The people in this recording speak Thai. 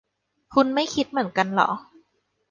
คุณไม่คิดเหมือนกันหรอ